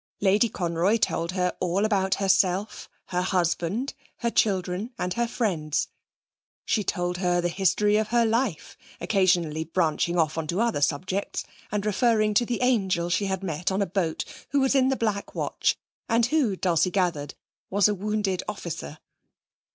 Lady Conroy told her all about herself, her husband, her children and her friends. She told her the history of her life, occasionally branching off on to other subjects, and referring to the angel she had met on a boat who was in the Black Watch, and who, Dulcie gathered, was a wounded officer.